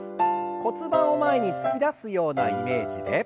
骨盤を前に突き出すようなイメージで。